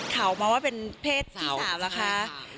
เขามาว่าเป็นเพศที่๓นะคะ